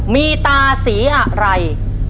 มีตาสีอะไร